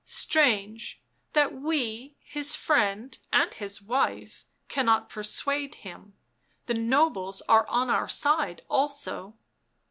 " Strange that we, his friend and his wife, cannot persuade him; the nobles are on our side also."